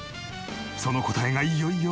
その答えがいよいよ明らかに！